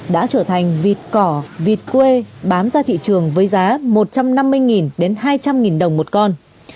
đã trở thành vịt cỏ vịt quê bán ra thị trường với giá một trăm năm mươi đến hai trăm linh đồng một con